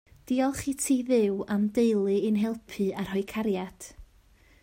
Diolch i ti Dduw am deulu i'n helpu a rhoi cariad